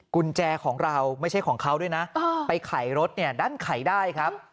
กุญแจของเราไม่ใช่ของเขาด้วยนะไปไขรถเนี่ยดันไขได้ครับ